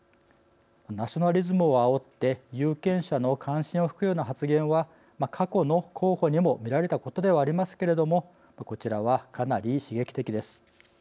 ナショナリズムをあおって有権者の関心をひくような発言は過去の候補にも見られたことではありますけれどもこちらは、かなり刺激的です。